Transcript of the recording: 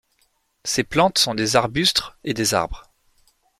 Ces plantes sont des arbustes et des arbres.